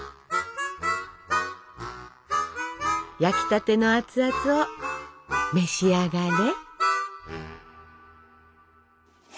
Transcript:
焼きたての熱々を召し上がれ！